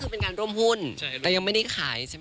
คือเป็นการร่วมหุ้นแต่ยังไม่ได้ขายใช่ไหม